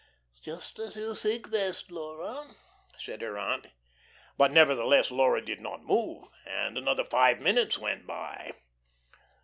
"Just as you think best, Laura," said her aunt. But nevertheless Laura did not move, and another five minutes went by.